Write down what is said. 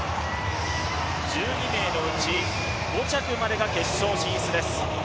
１２名のうち５着までが決勝進出です